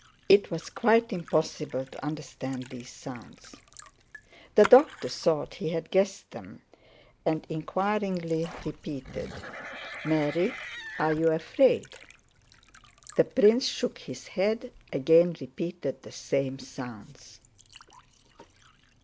It was quite impossible to understand these sounds. The doctor thought he had guessed them, and inquiringly repeated: "Mary, are you afraid?" The prince shook his head, again repeated the same sounds.